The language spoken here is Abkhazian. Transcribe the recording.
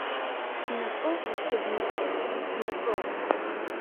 Бнапы лхьыбмыркьысын, бнапы!